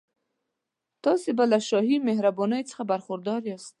تاسي به له شاهي مهربانیو څخه برخوردار یاست.